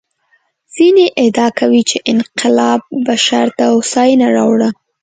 ځینې ادعا کوي چې انقلاب بشر ته هوساینه راوړه.